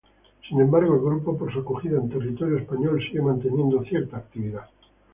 Sin embargo, el grupo, por su acogida en territorio español, sigue manteniendo cierta actividad.